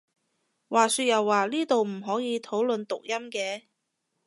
話說又話呢度唔可以討論讀音嘅？